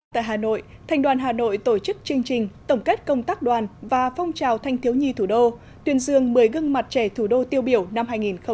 tại hà nội thành đoàn hà nội tổ chức chương trình tổng kết công tác đoàn và phong trào thanh thiếu nhi thủ đô tuyên dương một mươi gương mặt trẻ thủ đô tiêu biểu năm hai nghìn một mươi chín